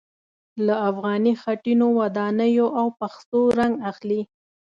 له افغاني خټينو ودانیو او پخڅو رنګ اخلي.